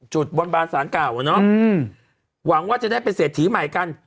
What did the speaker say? บนบานสารเก่าอะเนาะหวังว่าจะได้เป็นเศรษฐีใหม่กัน